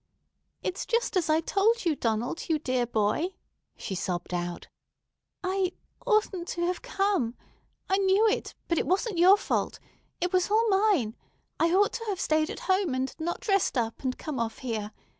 "It's just as I told you, Donald, you dear boy," she sobbed out. "I—oughtn't to have come. I knew it, but it wasn't your fault. It was all mine. I ought to have stayed at home, and not dressed up and come off here.